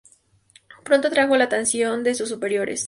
Pronto atrajo la atención de sus superiores.